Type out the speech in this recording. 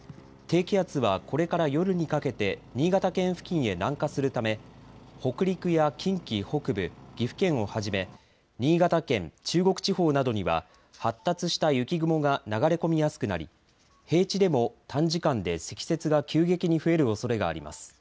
低気圧はこれから夜にかけて新潟県付近へ南下するため北陸や近畿北部、岐阜県をはじめ新潟県、中国地方などには発達した雪雲が流れ込みやすくなり平地でも短時間で積雪が急激に増えるおそれがあります。